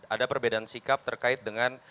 ada perbedaan sikap terkait dengan